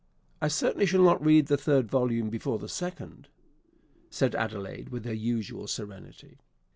"I certainly shall not read the third volume before the second," said Adelaide with her usual serenity.